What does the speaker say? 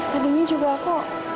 tadinya juga aku